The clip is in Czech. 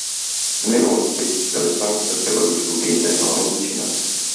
V minulosti byly sankce v Bělorusku i jinde málo účinné.